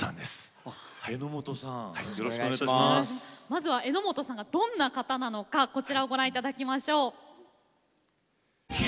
まずは榎本さんがどんな方なのかこちらをご覧頂きましょう。